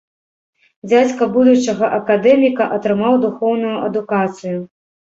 Дзядзька будучага акадэміка атрымаў духоўную адукацыю.